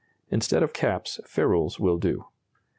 Instead of caps, ferrules will do.